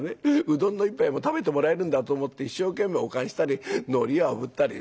うどんの一杯も食べてもらえるんだと思って一生懸命お燗したりのりあぶったり」。